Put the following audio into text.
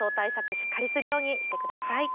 しっかりするようにしてください。